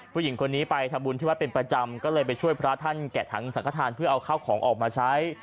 ผู้หญิงคนนี้ไปทำบุญที่วัดเป็นประจำก็เลยไปช่วยพระท่านแกะถังสังขทานเพื่อเอาข้าวของออกมาใช้